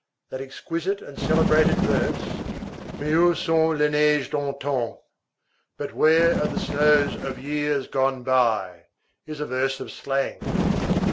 That exquisite and celebrated verse— Mais où sont les neiges d'antan? But where are the snows of years gone by? is a verse of slang.